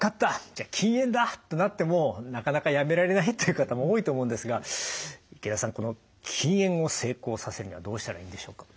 じゃあ禁煙だ！ってなってもなかなかやめられないという方も多いと思うんですが池田さん禁煙を成功させるにはどうしたらいいんでしょうか？